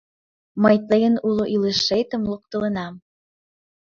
Мый тыйын уло илышетым локтылынам.